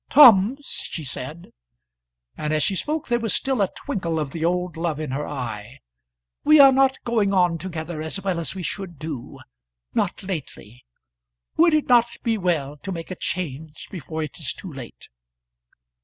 "Tom," she said, and as she spoke there was still a twinkle of the old love in her eye, "we are not going on together as well as we should do, not lately. Would it not be well to make a change before it is too late?"